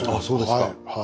そうですか。